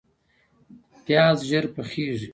پیاز ژر پخیږي